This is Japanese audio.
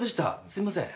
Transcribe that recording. すいません。